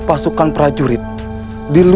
masalah pak man juru demo